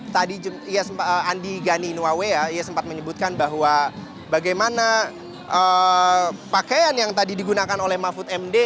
tadi andi gani inwawe ya ia sempat menyebutkan bahwa bagaimana pakaian yang tadi digunakan oleh mahfud md